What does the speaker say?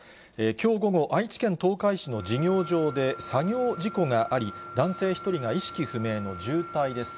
きょう午後、愛知県東海市の事業場で作業事故があり、男性１人が意識不明の重体です。